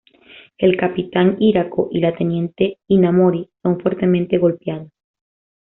El Capitán Hirako y la Teniente Hinamori son fuertemente golpeados.